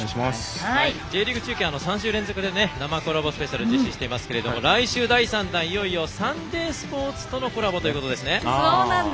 Ｊリーグ中継、３週連続で生コラボスペシャル実施していますけれども来週、第３弾「サンデースポーツ」とのコラボということですね。